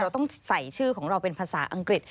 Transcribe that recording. ต้องใส่ชื่อของเราเป็นภาษาอังกฤษ